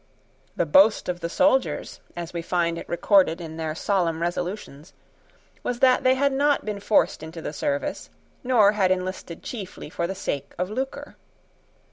The boast of the soldiers, as we find it recorded in their solemn resolutions, was that they had not been forced into the service, nor had enlisted chiefly for the sake of lucre.